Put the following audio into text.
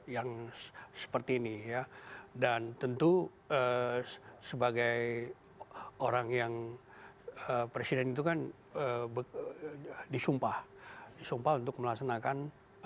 yang seperti ini ya dan tentu sebagai orang yang presiden itu kan disumpah untuk melaksanakan